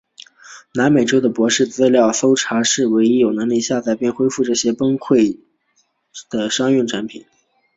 南美州的博士资料检索系统是唯一有能力下载并恢复这些崩溃资料的商用产品。